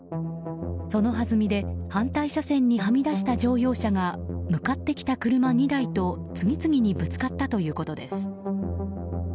そのはずみで反対車線にはみ出した乗用車が向かってきた車２台と次々にぶつかったということです。